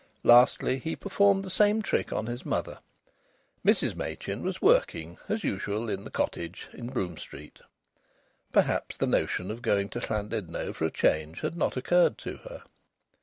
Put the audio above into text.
Lastly, he performed the same trick on his mother. Mrs Machin was working, as usual, in the cottage in Brougham Street. Perhaps the notion of going to Llandudno for a change had not occurred to her.